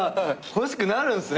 欲しくなるんすね。